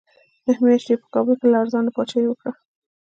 نهه میاشتې یې په کابل کې لړزانه پاچاهي وکړه.